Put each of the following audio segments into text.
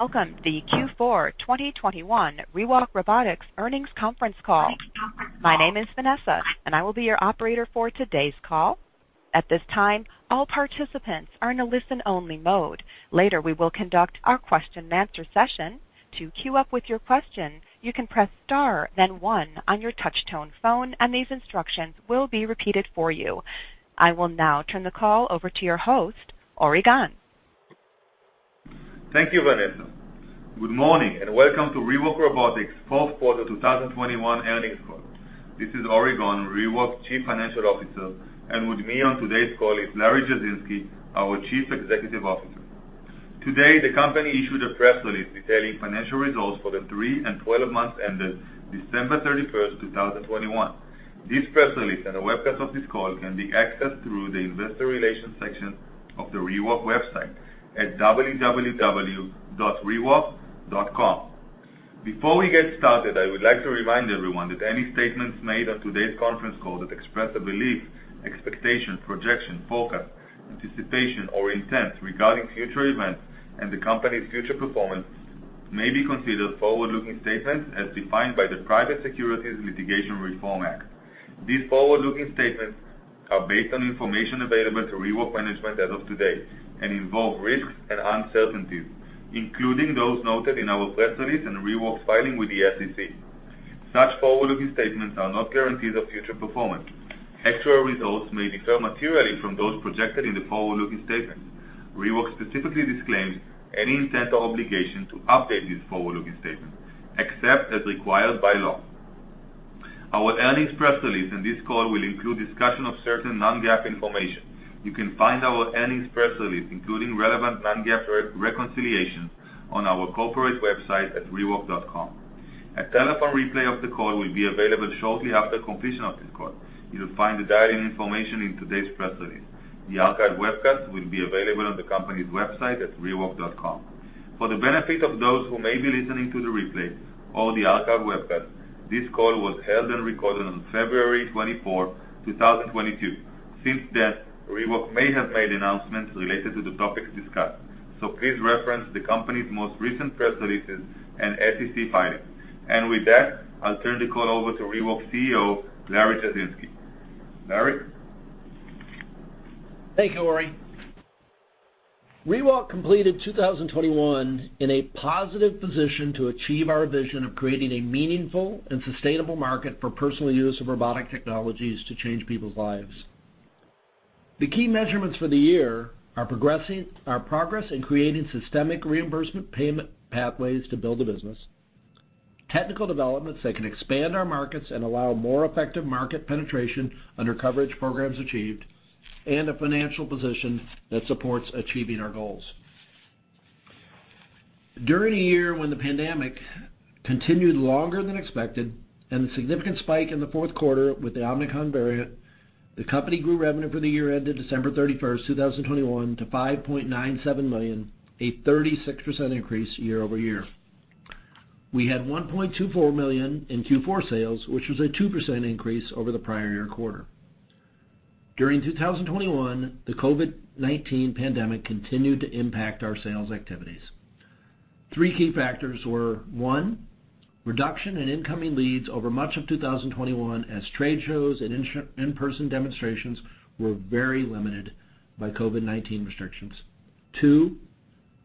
Welcome to the Q4 2021 ReWalk Robotics Earnings Conference Call. My name is Vanessa, and I will be your operator for today's call. At this time, all participants are in a listen-only mode. Later, we will conduct our question-and-answer session. To queue up with your question, you can press star then one on your touch-tone phone, and these instructions will be repeated for you. I will now turn the call over to your host, Ori Gon. Thank you, Vanessa. Good morning, and welcome to ReWalk Robotics' Q4 2021 Earnings Call. This is Ori Gon, ReWalk's Chief Financial Officer. With me on today's call is Larry Jasinski, our Chief Executive Officer. Today, the company issued a press release detailing financial results for the three and 12 months ended 31 December 2021. This press release and a webcast of this call can be accessed through the investor relations section of the ReWalk website at www.rewalk.com. Before we get started, I would like to remind everyone that any statements made on today's conference call that express a belief, expectation, projection, forecast, anticipation, or intent regarding future events and the company's future performance may be considered forward-looking statements as defined by the Private Securities Litigation Reform Act. These forward-looking statements are based on information available to ReWalk management as of today and involve risks and uncertainties, including those noted in our press release and ReWalk's filing with the SEC. Such forward-looking statements are not guarantees of future performance. Actual results may differ materially from those projected in the forward-looking statements. ReWalk specifically disclaims any intent or obligation to update these forward-looking statements, except as required by law. Our earnings press release and this call will include discussion of certain non-GAAP information. You can find our earnings press release, including relevant non-GAAP reconciliations, on our corporate website at rewalk.com. A telephone replay of the call will be available shortly after completion of this call. You will find the dial-in information in today's press release. The archived webcast will be available on the company's website at rewalk.com. For the benefit of those who may be listening to the replay or the archived webcast, this call was held and recorded on 24 February 2022. Since then, ReWalk may have made announcements related to the topics discussed, so please reference the company's most recent press releases and SEC filings. With that, I'll turn the call over to ReWalk CEO, Larry Jasinski. Larry? Thank you, Ori. ReWalk completed 2021 in a positive position to achieve our vision of creating a meaningful and sustainable market for personal use of robotic technologies to change people's lives. The key measurements for the year are progress in creating systemic reimbursement payment pathways to build a business, technical developments that can expand our markets and allow more effective market penetration under coverage programs achieved, and a financial position that supports achieving our goals. During a year when the pandemic continued longer than expected and a significant spike in the Q4 with the Omicron variant, the company grew revenue for the year ended 31 December 2021 to $5.97 million, a 36% increase year-over-year. We had $1.24 million in Q4 sales, which was a 2% increase over the prior-year quarter. During 2021, the COVID-19 pandemic continued to impact our sales activities. Three key factors were: one, reduction in incoming leads over much of 2021 as trade shows and in-person demonstrations were very limited by COVID-19 restrictions. Two,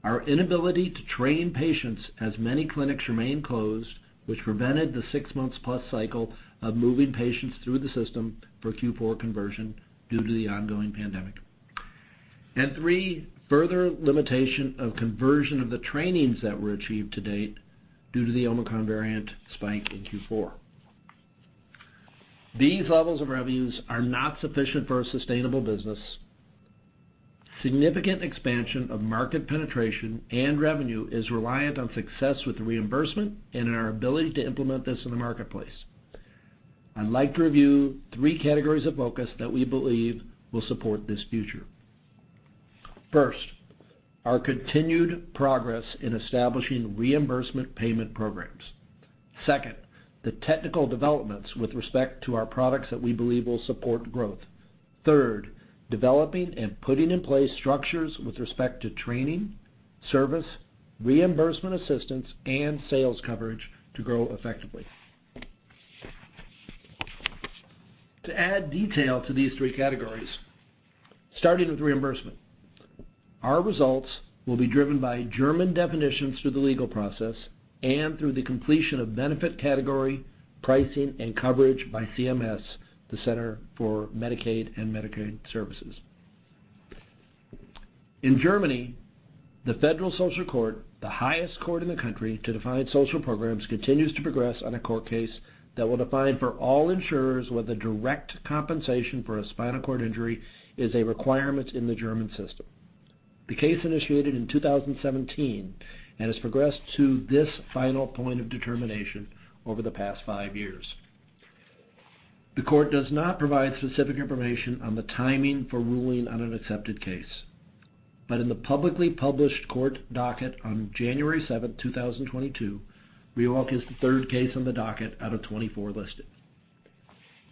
our inability to train patients as many clinics remained closed, which prevented the six-month-plus cycle of moving patients through the system for Q4 conversion due to the ongoing pandemic. Three, further limitation of conversion of the trainings that were achieved to date due to the Omicron variant spike in Q4. These levels of revenues are not sufficient for a sustainable business. Significant expansion of market penetration and revenue is reliant on success with reimbursement and our ability to implement this in the marketplace. I'd like to review three categories of focus that we believe will support this future. First, our continued progress in establishing reimbursement payment programs. Second, the technical developments with respect to our products that we believe will support growth. Third, developing and putting in place structures with respect to training, service, reimbursement assistance, and sales coverage to grow effectively. To add detail to these three categories, starting with reimbursement. Our results will be driven by German decisions through the legal process and through the completion of benefit category, pricing, and coverage by CMS, the Centers for Medicare & Medicaid Services. In Germany, the Federal Social Court, the highest court in the country to define social programs, continues to progress on a court case that will define for all insurers whether direct compensation for a spinal cord injury is a requirement in the German system. The case initiated in 2017 and has progressed to this final point of determination over the past five years. The court does not provide specific information on the timing for ruling on an accepted case. In the publicly published court docket on 7 January 2022, ReWalk is the third case on the docket out of 24 listed.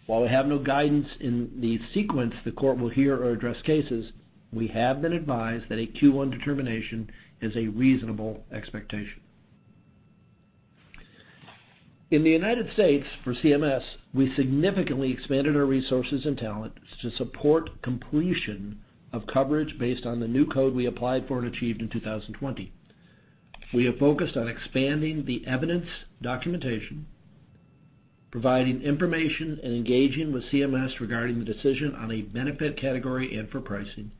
While we have no guidance in the sequence the court will hear or address cases, we have been advised that a Q1 determination is a reasonable expectation. In the U.S. For CMS, we significantly expanded our resources and talent to support completion of coverage based on the new code we applied for and achieved in 2020. We have focused on expanding the evidence documentation, providing information, and engaging with CMS regarding the decision on a benefit category and for pricing,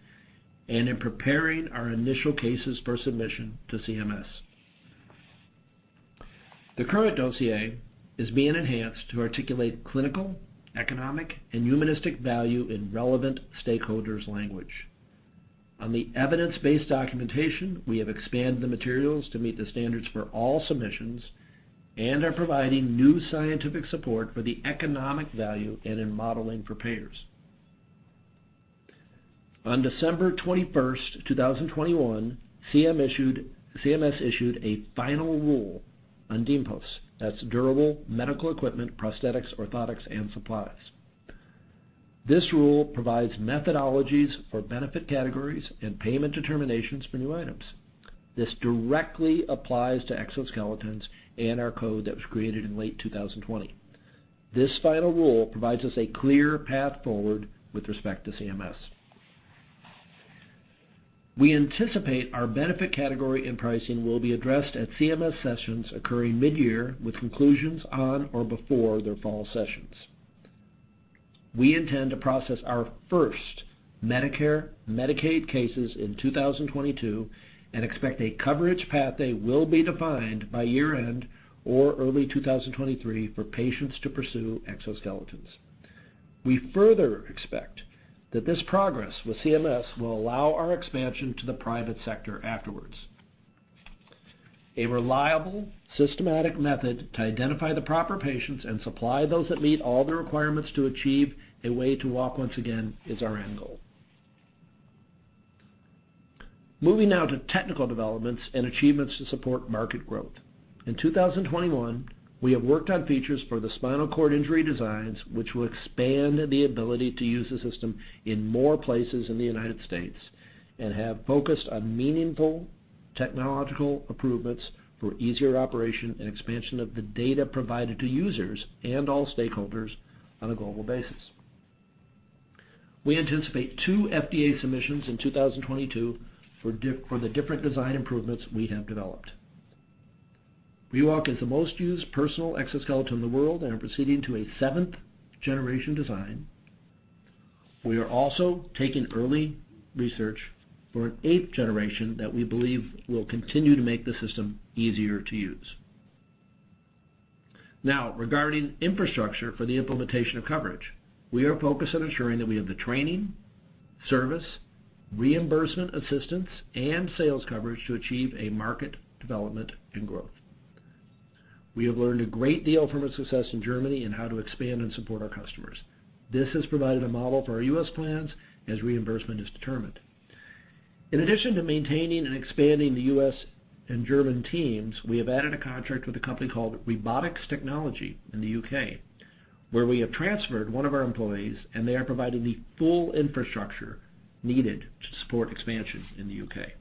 and in preparing our initial cases for submission to CMS. The current dossier is being enhanced to articulate clinical, economic, and humanistic value in relevant stakeholders' language. On the evidence-based documentation, we have expanded the materials to meet the standards for all submissions and are providing new scientific support for the economic value and in modeling for payers. On 21 December 2021, CMS issued a final rule on DMEPOS. That's Durable Medical Equipment, Prosthetics, Orthotics, and Supplies. This rule provides methodologies for benefit categories and payment determinations for new items. This directly applies to exoskeletons and our code that was created in late 2020. This final rule provides us a clear path forward with respect to CMS. We anticipate our benefit category and pricing will be addressed at CMS sessions occurring mid-year, with conclusions on or before their fall sessions. We intend to process our first Medicare Medicaid cases in 2022 and expect a coverage pathway will be defined by year-end or early 2023 for patients to pursue exoskeletons. We further expect that this progress with CMS will allow our expansion to the private sector afterwards. A reliable, systematic method to identify the proper patients and supply those that meet all the requirements to achieve a way to walk once again is our end goal. Moving now to technical developments and achievements to support market growth. In 2021, we have worked on features for the spinal cord injury designs, which will expand the ability to use the system in more places in the U.S. and have focused on meaningful technological improvements for easier operation and expansion of the data provided to users and all stakeholders on a global basis. We anticipate two FDA submissions in 2022 for the different design improvements we have developed. ReWalk is the most used personal exoskeleton in the world and are proceeding to a seventh generation design. We are also taking early research for an eighth generation that we believe will continue to make the system easier to use. Now, regarding infrastructure for the implementation of coverage. We are focused on ensuring that we have the training, service, reimbursement assistance, and sales coverage to achieve a market development and growth. We have learned a great deal from our success in Germany in how to expand and support our customers. This has provided a model for our U.S. plans as reimbursement is determined. In addition to maintaining and expanding the U.S. and German teams, we have added a contract with a company called Robotics Technology in the U.K., where we have transferred one of our employees, and they are providing the full infrastructure needed to support expansion in the U.K.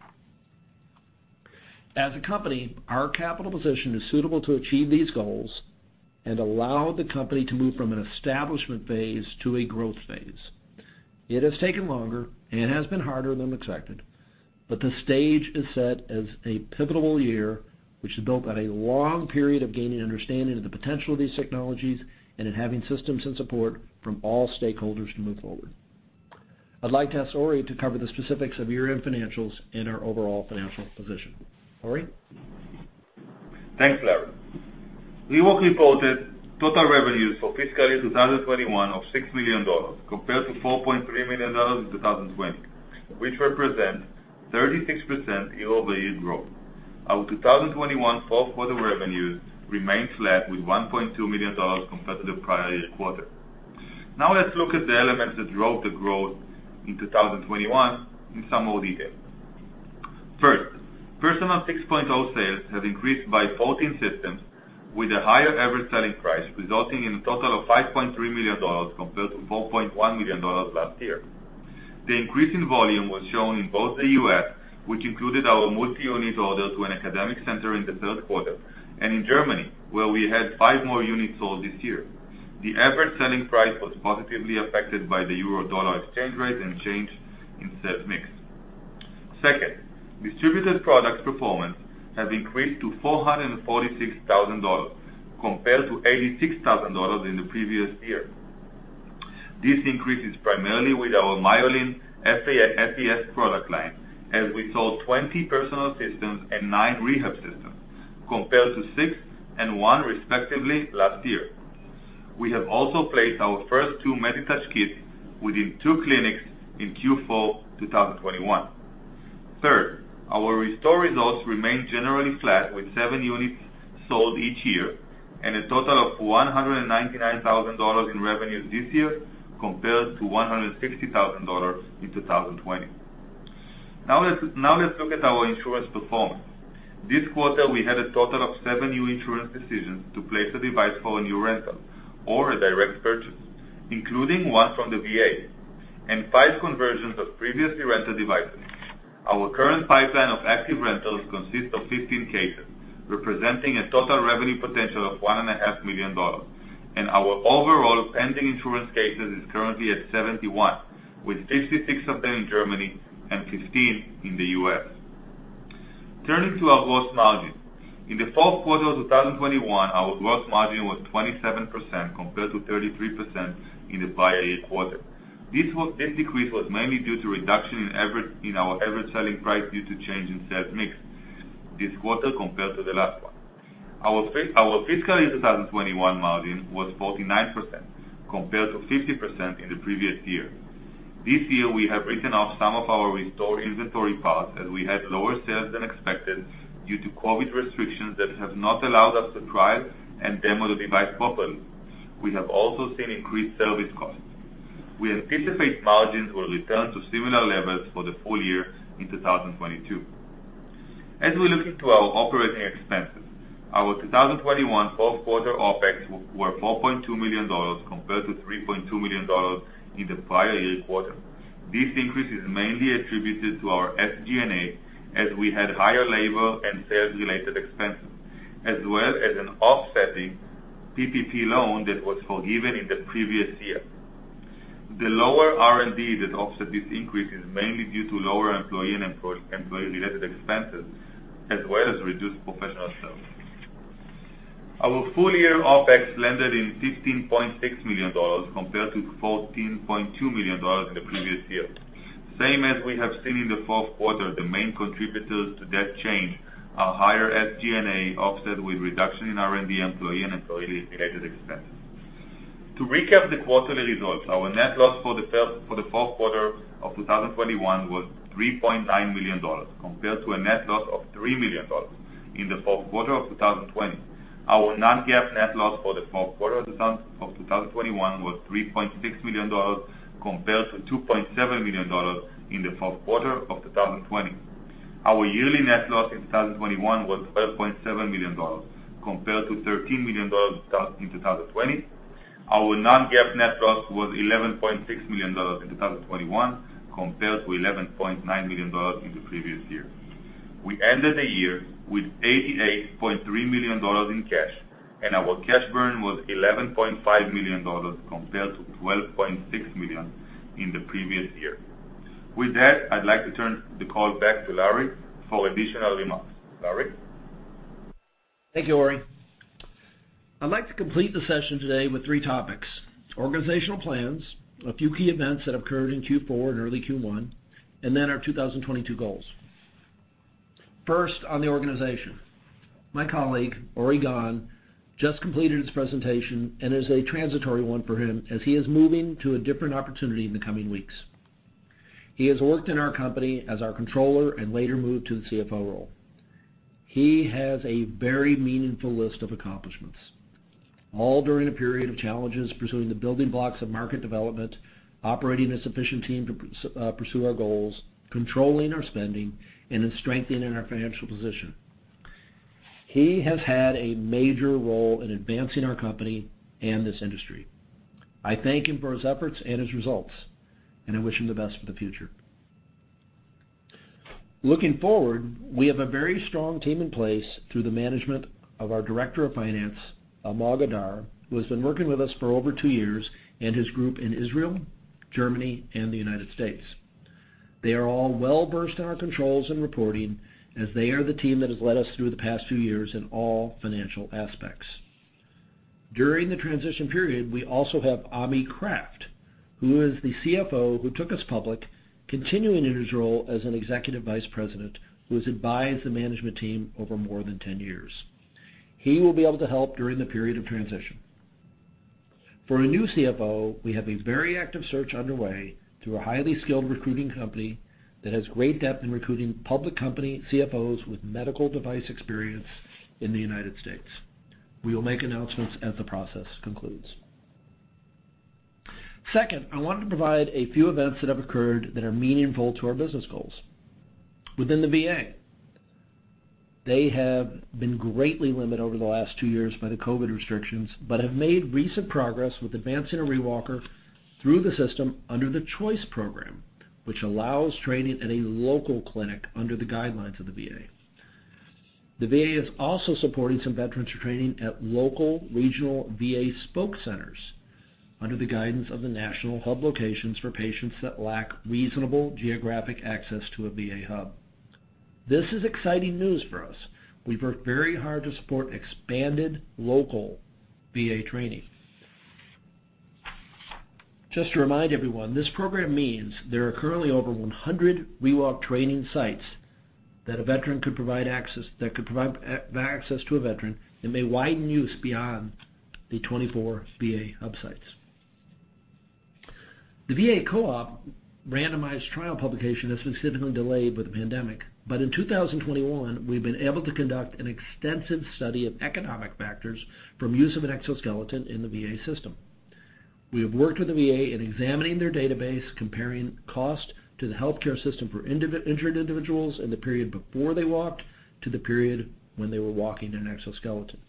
As a company, our capital position is suitable to achieve these goals and allow the company to move from an establishment phase to a growth phase. It has taken longer and has been harder than expected, but the stage is set as a pivotal year, which is built on a long period of gaining understanding of the potential of these technologies and in having systems and support from all stakeholders to move forward. I'd like to ask Ori to cover the specifics of year-end financials and our overall financial position. Ori? Thanks, Larry. ReWalk reported total revenues for fiscal year 2021 of $6 million compared to $4.3 million in 2020, which represent 36% year-over-year growth. Our 2021 Q4 revenues remained flat with $1.2 million compared to the prior year quarter. Now let's look at the elements that drove the growth in 2021 in some more detail. First, personal 6.0 sales have increased by 14% with a higher average selling price, resulting in a total of $5.3 million compared to $4.1 million last year. The increase in volume was shown in both the U.S., which included our multi-unit order to an academic center in the Q3, and in Germany, where we had five more units sold this year. The average selling price was positively affected by the euro-dollar exchange rate and change in sales mix. Second, distributors products performance have increased to $446,000 compared to $86,000 in the previous year. This increase is primarily with our MyoCycle FES product line, as we sold 20 personal systems and nine rehab systems, compared to six and one, respectively, last year. We have also placed our first two MediTouch kits within two clinics in Q4 2021. Third, our ReStore results remain generally flat with seven units sold each year and a total of $199,000 in revenues this year compared to $160,000 in 2020. Now let's look at our insurance performance. This quarter, we had a total of seven new insurance decisions to place a device for a new rental or a direct purchase, including one from the VA, and five conversions of previously rented devices. Our current pipeline of active rentals consists of 15 cases, representing a total revenue potential of one and a half million dollars, and our overall pending insurance cases is currently at 71, with 56 of them in Germany and 15 in the U.S. Turning to our gross margin. In the Q4 of 2021, our gross margin was 27% compared to 33% in the prior year quarter. This decrease was mainly due to reduction in our average selling price due to change in sales mix this quarter compared to the last one. Our fiscal year 2021 margin was 49% compared to 50% in the previous year. This year, we have written off some of our ReStore inventory parts as we had lower sales than expected due to COVID restrictions that have not allowed us to trial and demo the device properly. We have also seen increased service costs. We anticipate margins will return to similar levels for the full year in 2022. As we look into our operating expenses, our 2021 Q4 OpEx were $4.2 million compared to $3.2 million in the prior year quarter. This increase is mainly attributed to our SG&A, as we had higher labor and sales-related expenses, as well as an offsetting PPP loan that was forgiven in the previous year. The lower R&D that offset this increase is mainly due to lower employee and employee-related expenses, as well as reduced professional services. Our full year OpEx landed in $15.6 million compared to $14.2 million in the previous year. Same as we have seen in the Q4, the main contributors to that change are higher SG&A offset with reduction in R&D, employee and employee-related expenses. To recap the quarterly results, our net loss for the Q4 of 2021 was $3.9 million compared to a net loss of $3 million in the Q4 of 2020. Our non-GAAP net loss for the Q4 of 2021 was $3.6 million compared to $2.7 million in the Q4 of 2020. Our yearly net loss in 2021 was $12.7 million compared to $13 million in 2020. Our non-GAAP net loss was $11.6 million in 2021 compared to $11.9 million in the previous year. We ended the year with $88.3 million in cash, and our cash burn was $11.5 million compared to $12.6 million in the previous year. With that, I'd like to turn the call back to Larry for additional remarks. Larry? Thank you, Ori. I'd like to complete the session today with three topics: organizational plans, a few key events that occurred in Q4 and early Q1, and then our 2022 goals. First, on the organization. My colleague, Ori Gon, just completed his presentation and is a transitory one for him as he is moving to a different opportunity in the coming weeks. He has worked in our company as our controller and later moved to the CFO role. He has a very meaningful list of accomplishments, all during a period of challenges pursuing the building blocks of market development, operating a sufficient team to pursue our goals, controlling our spending, and then strengthening our financial position. He has had a major role in advancing our company and this industry. I thank him for his efforts and his results, and I wish him the best for the future. Looking forward, we have a very strong team in place through the management of our Director of Finance, Almog Adar, who has been working with us for over two years, and his group in Israel, Germany, and the U.S.. They are all well-versed in our controls and reporting as they are the team that has led us through the past few years in all financial aspects. During the transition period, we also have Ami Kraft, who is the CFO who took us public, continuing in his role as an Executive Vice President, who has advised the management team over more than 10 years. He will be able to help during the period of transition. For a new CFO, we have a very active search underway through a highly skilled recruiting company that has great depth in recruiting public company CFOs with medical device experience in the U.S.. We will make announcements as the process concludes. Second, I wanted to provide a few events that have occurred that are meaningful to our business goals. Within the VA, they have been greatly limited over the last two years by the COVID restrictions but have made recent progress with advancing ReWalk through the system under the Choice program, which allows training at a local clinic under the guidelines of the VA. The VA is also supporting some veterans for training at local regional VA spoke centers under the guidance of the national hub locations for patients that lack reasonable geographic access to a VA hub. This is exciting news for us. We've worked very hard to support expanded local VA training. Just to remind everyone, this program means there are currently over 100 ReWalk training sites that could provide access to a veteran and may widen use beyond the 24 VA hub sites. The VA co-op randomized trial publication has been significantly delayed by the pandemic, but in 2021, we've been able to conduct an extensive study of economic factors from use of an exoskeleton in the VA system. We have worked with the VA in examining their database, comparing cost to the healthcare system for injured individuals in the period before they walked to the period when they were walking in an exoskeleton.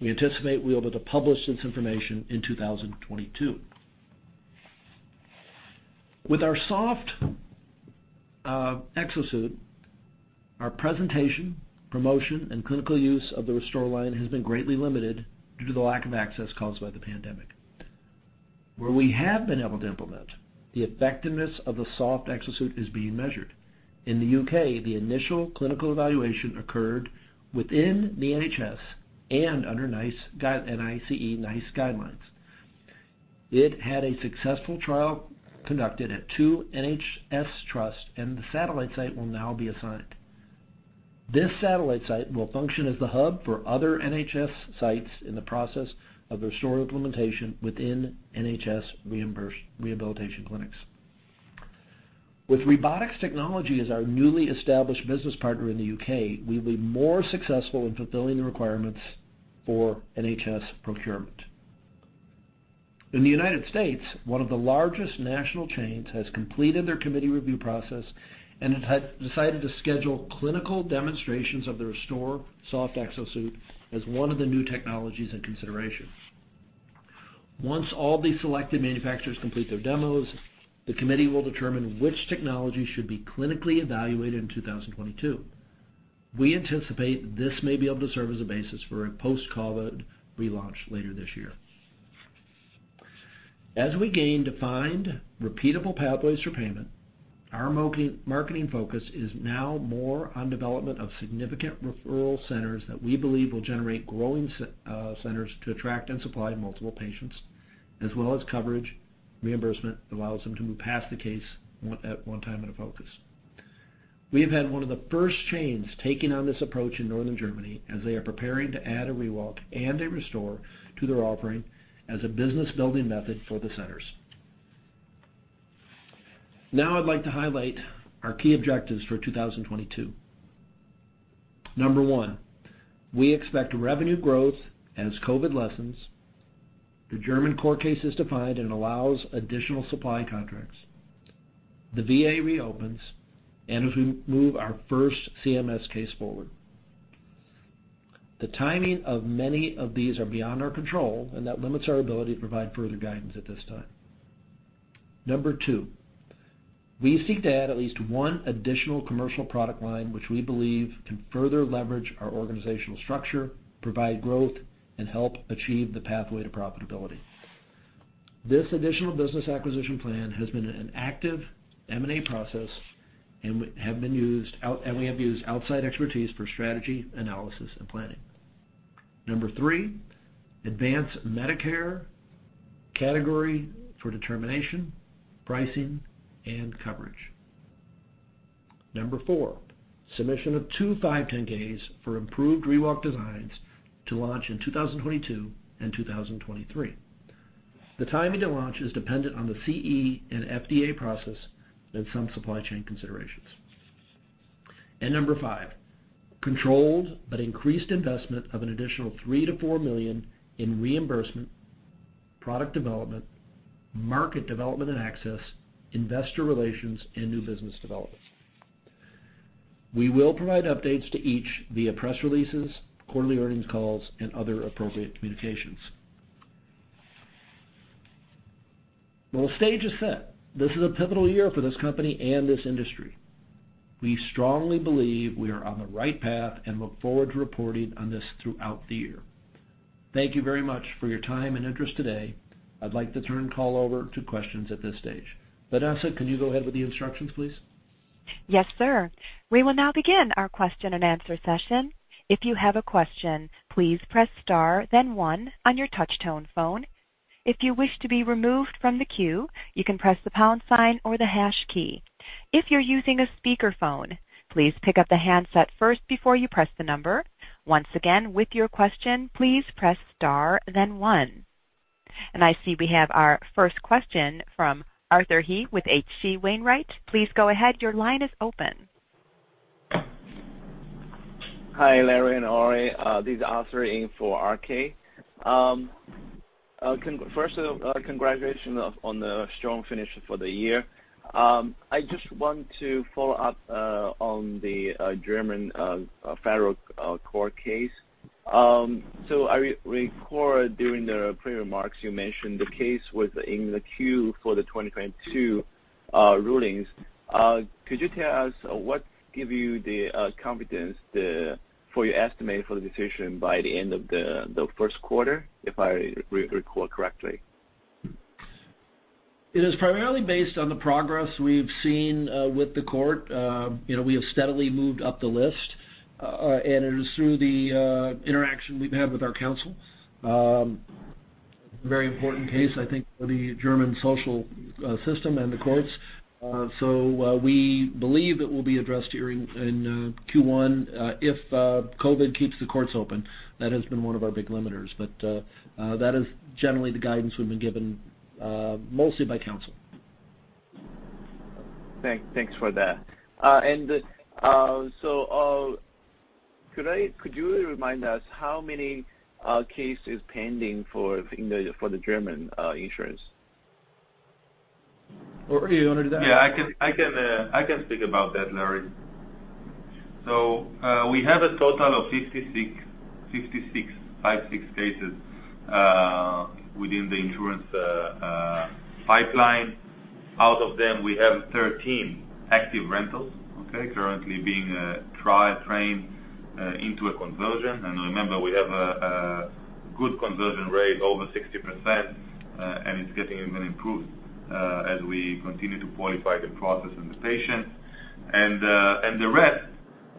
We anticipate we'll be able to publish this information in 2022. With our soft exosuit, our presentation, promotion, and clinical use of the ReStore line has been greatly limited due to the lack of access caused by the pandemic. Where we have been able to implement, the effectiveness of the soft exosuit is being measured. In the U.K., the initial clinical evaluation occurred within the NHS and under NICE, N-I-C-E, NICE guidelines. It had a successful trial conducted at two NHS trusts, and the satellite site will now be assigned. This satellite site will function as the hub for other NHS sites in the process of ReStore implementation within NHS rehabilitation clinics. With Robotics Technology as our newly established business partner in the U.K., we'll be more successful in fulfilling the requirements for NHS procurement. In the U.S., one of the largest national chains has completed their committee review process and it had decided to schedule clinical demonstrations of the ReStore soft exo-suit as one of the new technologies in consideration. Once all the selected manufacturers complete their demos, the committee will determine which technology should be clinically evaluated in 2022. We anticipate this may be able to serve as a basis for a post-COVID relaunch later this year. As we gain defined, repeatable pathways for payment, our marketing focus is now more on development of significant referral centers that we believe will generate growing centers to attract and supply multiple patients, as well as coverage, reimbursement that allows them to move past the case-by-case one at a time focus. We have had one of the first chains taking on this approach in Northern Germany, as they are preparing to add a ReWalk and a ReStore to their offering as a business-building method for the centers. Now I'd like to highlight our key objectives for 2022. Number one, we expect revenue growth as COVID lessens, the German court case is defined and allows additional supply contracts, the VA reopens, and as we move our first CMS case forward. The timing of many of these are beyond our control, and that limits our ability to provide further guidance at this time. Number two, we seek to add at least one additional commercial product line which we believe can further leverage our organizational structure, provide growth, and help achieve the pathway to profitability. This additional business acquisition plan has been an active M&A process, and we have used outside expertise for strategy, analysis, and planning. Number three, advance Medicare category for determination, pricing, and coverage. Number four, submission of two 510(k)s for improved ReWalk designs to launch in 2022 and 2023. The timing to launch is dependent on the CE and FDA process and some supply chain considerations. Number five, controlled but increased investment of an additional $3 million-$4 million in reimbursement, product development, market development and access, investor relations, and new business developments. We will provide updates to each via press releases, quarterly earnings calls, and other appropriate communications. Well, the stage is set. This is a pivotal year for this company and this industry. We strongly believe we are on the right path and look forward to reporting on this throughout the year. Thank you very much for your time and interest today. I'd like to turn the call over to questions at this stage. Vanessa, can you go ahead with the instructions, please? Yes, sir. We will now begin our question-and-answer session. If you have a question, please press star then one on your touch-tone phone. If you wish to be removed from the queue, you can press the pound sign or the hash key. If you're using a speakerphone, please pick up the handset first before you press the number. Once again, with your question, please press star then one. I see we have our first question from Arthur He with H.C. Wainwright. Please go ahead. Your line is open. Hi, Larry and Ori. This is Arthur in for RK. First, congratulations on the strong finish for the year. I just want to follow up on the German federal court case. So, I recall during the prepared remarks you mentioned the case was in the queue for the 2022 rulings. Could you tell us what gives you the confidence for your estimate for the decision by the end of the Q1, if I recall correctly? It is primarily based on the progress we've seen with the court. You know, we have steadily moved up the list, and it is through the interaction we've had with our counsel. Very important case, I think, for the German social system and the courts. We believe it will be addressed here in Q1 if COVID keeps the courts open. That has been one of our big limiters. That is generally the guidance we've been given mostly by counsel. Thanks for that. Could you remind us how many cases pending for the German insurance? Ori, you wanna do that? Yeah, I can speak about that, Larry. We have a total of 56 cases within the insurance pipeline. Out of them, we have 13 active rentals currently being trained into a conversion, okay? Remember, we have a good conversion rate over 60%, and it's getting even improved as we continue to qualify the process and the patient. The rest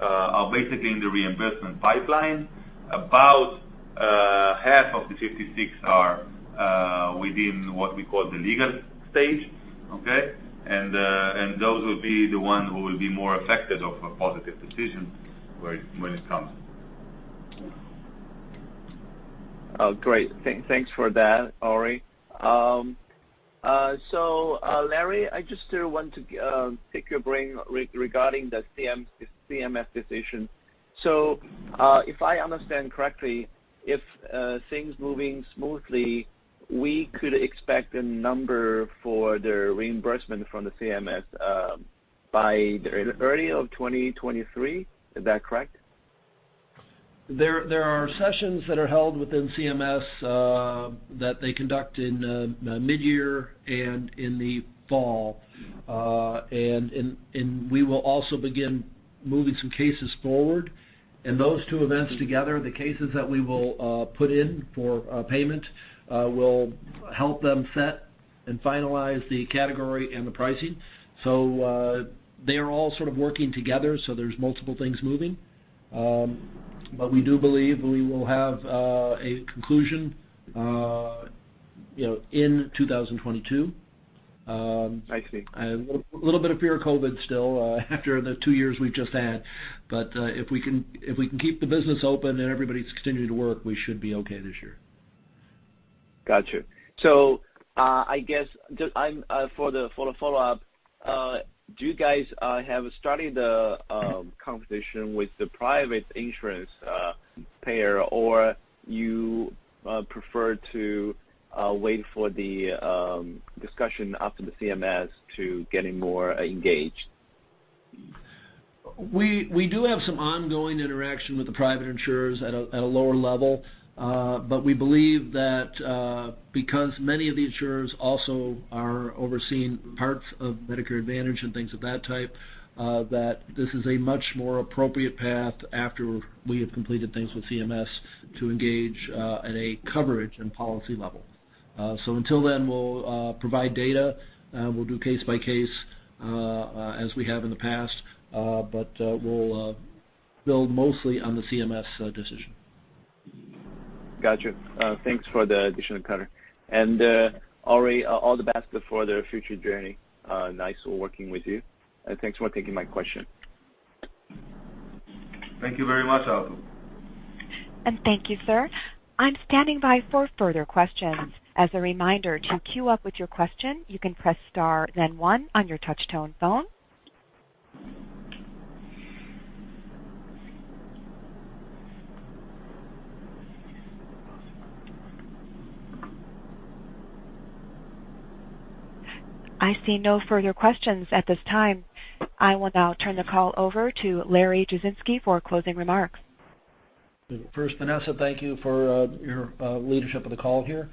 are basically in the reimbursement pipeline. About half of the 56 are within what we call the legal stage, okay? Those will be the ones who will be more affected of a positive decision when it comes. Oh, great. Thanks for that, Ori. Larry, I just still want to pick your brain regarding the CMS decision. If I understand correctly, things moving smoothly, we could expect a number for the reimbursement from the CMS by early 2023. Is that correct? There are sessions that are held within CMS that they conduct in mid-year and in the fall. We will also begin moving some cases forward. Those two events together, the cases that we will put in for payment, will help them set and finalize the category and the pricing. They are all sort of working together, so there's multiple things moving. We do believe we will have a conclusion, you know, in 2022. I see. A little bit of fear of COVID still, after the two years we've just had. If we can keep the business open and everybody's continuing to work, we should be okay this year. Gotcha. I guess just for the follow-up, do you guys have started the conversation with the private insurance payer, or you prefer to wait for the discussion after the CMS to getting more engaged? We do have some ongoing interaction with the private insurers at a lower level. We believe that because many of the insurers also are overseeing parts of Medicare Advantage and things of that type, that this is a much more appropriate path after we have completed things with CMS to engage at a coverage and policy level. Until then, we'll provide data. We'll do case by case as we have in the past, but we'll build mostly on the CMS decision. Gotcha. Thanks for the additional color. Ori, all the best for the future journey. Nice working with you, and thanks for taking my question. Thank you very much, Arthur. Thank you, sir. I'm standing by for further questions. As a reminder, to queue up with your question, you can press star then one on your touch tone phone. I see no further questions at this time. I will now turn the call over to Larry Jasinski for closing remarks. First, Vanessa, thank you for your leadership of the call here.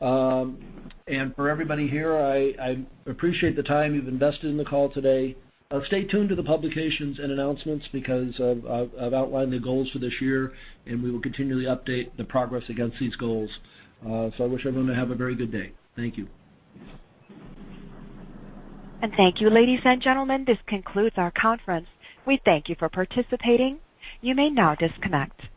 For everybody here, I appreciate the time you've invested in the call today. Stay tuned to the publications and announcements because I've outlined the goals for this year, and we will continually update the progress against these goals. I wish everyone to have a very good day. Thank you. Thank you, ladies and gentlemen. This concludes our conference. We thank you for participating. You may now disconnect.